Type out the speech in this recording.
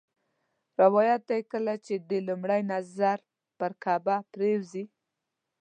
روایت دی کله چې دې لومړی نظر پر کعبه پرېوځي.